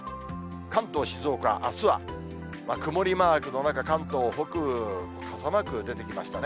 関東、静岡、あすは曇りマークの中、関東北部、傘マーク出てきましたね。